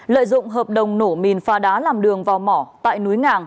lợi dụng hợp đồng nổ mìn pha đá làm đường vào mỏ tại núi ngàng